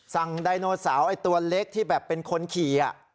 สั่งดายโนเสาร์ตัวเล็กที่แบบเป็นคนขี่อ่ะ